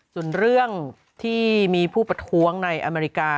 ส่วนเรื่องที่มีผู้ประท้วงในอเมริกา